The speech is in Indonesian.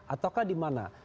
ataukah di mana